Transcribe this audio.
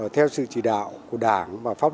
theo sự chỉ đảm